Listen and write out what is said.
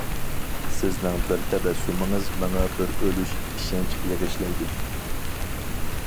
سىزنىڭ بىر تەبەسسۇمىڭىز ماڭا بىر ئۆلۈش ئىشەنچ بېغىشلايدۇ.